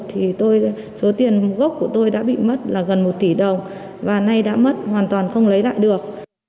thì số tiền gốc của tôi đã bị mất là gần một tỷ đồng và nay đã mất hoàn toàn không lấy lại được